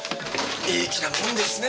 いい気なもんですね